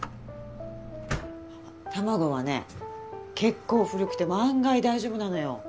あっ卵はね結構古くても案外大丈夫なのよ。